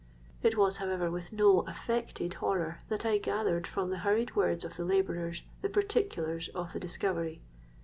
It was however with no affected horror that I gathered from the hurried words of the labourers the particulars of the discovery.